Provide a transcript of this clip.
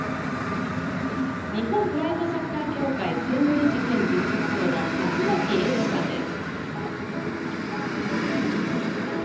日本ブラインドサッカー協会、専務理事兼事務局長の松崎英吾さんです。